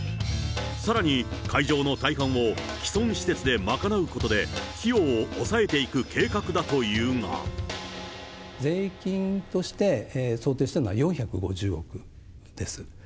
さらに会場の大半を既存施設で賄うことで費用を抑えていく計画だ税金として想定しているのは４５０億です。